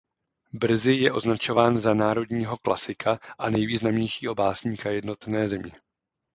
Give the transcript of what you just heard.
Brzy je označován za národního klasika a nejvýznamnějšího básníka jednotné země.